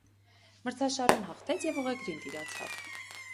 Մրցաշարում հաղթեց և ուղեգրին տիրացավ ն։